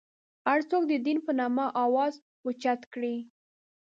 هر څوک د دین په نامه اواز اوچت کړي.